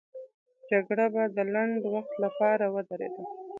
جګړه به د لنډ وخت لپاره ودرېده.